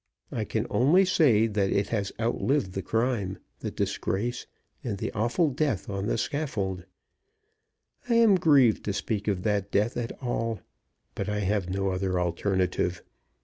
I can only say that it has outlived the crime, the disgrace, and the awful death on the scaffold. I am grieved to speak of that death at all; but I have no other alternative.